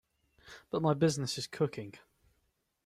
But my business is cooking.